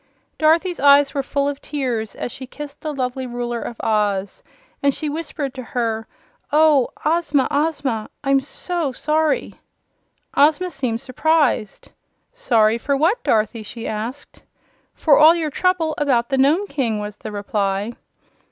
Dorothy's eyes were full of tears as she kissed the lovely Ruler of Oz, and she whispered to her: "Oh, Ozma, Ozma! I'm SO sorry!" Ozma seemed surprised. "Sorry for what, Dorothy?" she asked. "For all your trouble about the Nome King," was the reply.